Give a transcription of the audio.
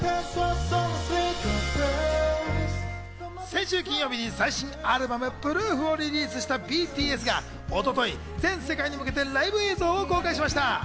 先週金曜日に最新アルバム『Ｐｒｏｏｆ』をリリースしたＢＴＳが一昨日、全世界に向けたライブ映像を公開しました。